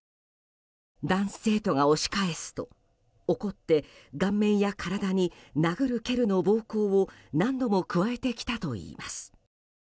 男子生徒が押し返すと怒って顔面や体に殴る蹴るの暴行を何度も加えてきたといいます。